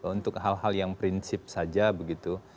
untuk hal hal yang prinsip saja begitu